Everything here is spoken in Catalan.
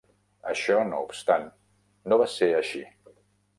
Això no obstant, no va ser així.